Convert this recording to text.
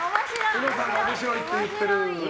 うのさんが面白いって言ってるー！